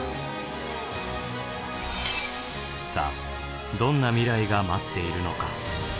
さあどんな未来が待っているのか。